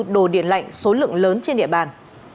đồ điện lạnh số lượng lớn trên địa bàn